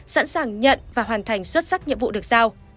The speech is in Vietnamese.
sẵn sàng nhận và hoàn thành xuất sắc nhiệm vụ được giao